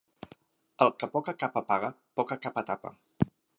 El que poca capa paga, poca capa tapa.